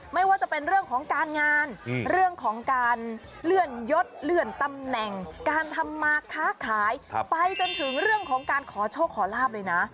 ไม่ว่าจะเป็นเรื่องของการงานเรื่องของการเลื่อนยศเลื่อนตำแหน่งการทำมาค้าขายไปจนถึงเรื่องของการขอโชคขอลาบเลยนะ